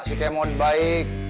si kemon baik